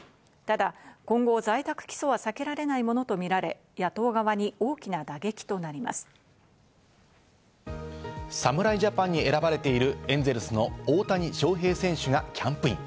ただ今後、在宅起訴は避けられないものとみられ、野党側に大きな打撃と侍ジャパンに選ばれているエンゼルスの大谷翔平選手がキャンプイン。